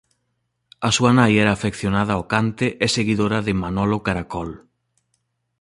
A súa nai era afeccionada ao cante e seguidora de Manolo Caracol.